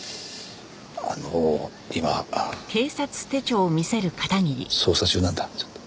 あの今捜査中なんだちょっと。